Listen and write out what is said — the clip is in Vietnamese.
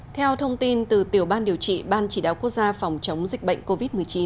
theo thông tin từ tiểu ban điều trị ban chỉ đạo quốc gia phòng chống dịch bệnh covid một mươi chín